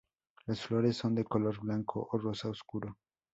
Las flores son de color blanco o rosa oscuro.